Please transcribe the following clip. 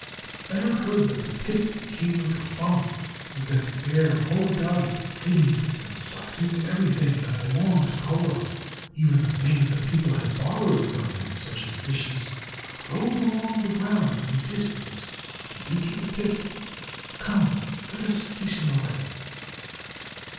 "I have heard that the pit became like a funnel and that the air all about eddied and sucked in everything that belonged to Korah. Even the things that people had borrowed from him, such as dishes, rolled along the ground from a distance and into the pit. Come, let us hasten away."